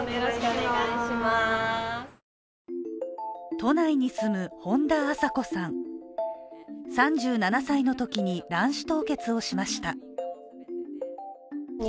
都内に住む本多麻子さん、３７歳のときに卵子凍結をしました。